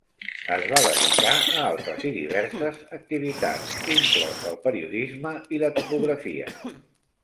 Es va dedicar a altres i diverses activitats, inclòs el periodisme i la topografia.